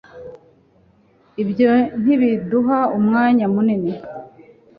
ibyo ntibiduha umwanya munini